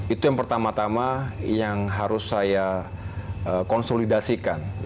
itu yang pertama tama yang harus saya konsolidasikan